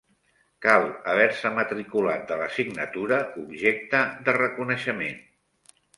Cal haver-se matriculat de l'assignatura objecte de reconeixement.